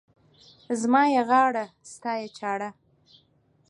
زما يې غاړه، ستا يې چاړه.